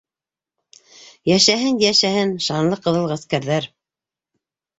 Йәшәһен, йәшәһен, шанлы ҡыҙыл ғәскәрҙәр.